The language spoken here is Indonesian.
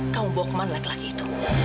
saya sudah ingat